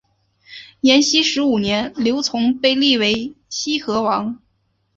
延熙十五年刘琮被立为西河王。